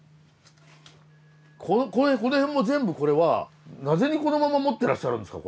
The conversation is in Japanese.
この辺も全部これはなぜにこのまま持ってらっしゃるんですか？